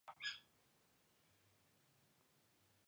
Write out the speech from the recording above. El "Noticiero" es una publicación trimestral.